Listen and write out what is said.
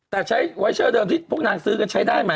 แต่ใช้ไวเชอร์เดิมที่พวกนางซื้อกันใช้ได้ไหม